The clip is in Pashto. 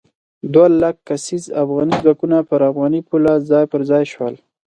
دوه لک کسیز افغاني ځواکونه پر افغاني پوله ځای پر ځای شول.